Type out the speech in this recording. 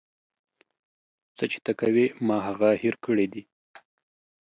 څه چې ته کوې ما هغه هير کړي دي.